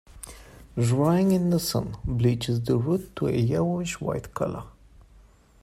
Drying in the sun bleaches the root to a yellowish-white color.